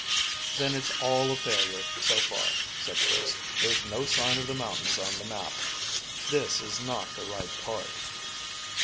"Then it's all a failure, so far," said Chris; "there's no sign of the mountains on the map. This is not the right part."